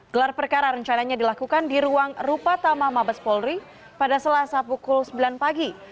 gelar perkara rencananya dilakukan di ruang rupatama mabes polri pada selasa pukul sembilan pagi